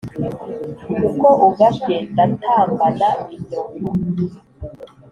Uko ugabye ndatambana inyovu.